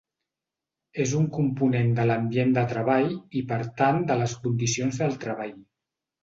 És un component de l'ambient de treball i per tant de les condicions del treball.